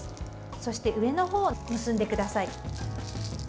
そして、上の方を結んでください。